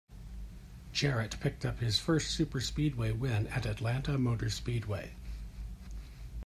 Jarrett picked up his first superspeedway win at Atlanta Motor Speedway.